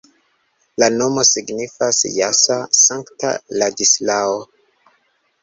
La nomo signifas jasa-sankta-Ladislao.